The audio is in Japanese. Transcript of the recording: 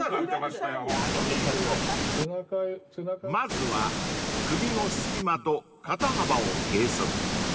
［まずは首の隙間と肩幅を計測］